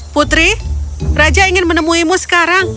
putri raja ingin menemuimu sekarang